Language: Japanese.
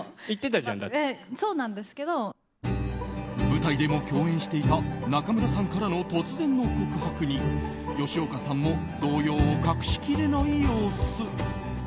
舞台でも共演していた中村さんからの突然の告白に吉岡さんも動揺を隠しきれない様子。